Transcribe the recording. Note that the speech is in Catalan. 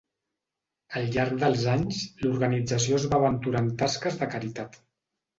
Al llarg dels anys, l'organització es va aventurar en tasques de caritat.